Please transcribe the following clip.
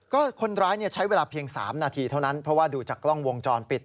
ก็คนร้ายใช้เวลาเพียง๓นาทีเท่านั้นเพราะว่าดูจากกล้องวงจรปิด